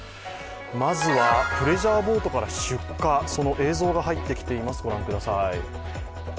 まずはプレジャーボートから出火その映像が入ってきています、ご覧ください。